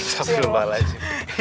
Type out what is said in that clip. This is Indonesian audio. sebelum bahas lagi